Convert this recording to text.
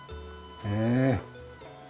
ええ。